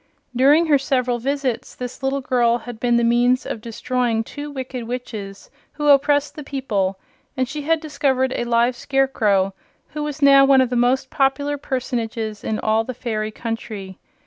During her several visits this little girl had been the means of destroying two wicked witches who oppressed the people, and she had discovered a live scarecrow who was now one of the most popular personages in all the fairy country.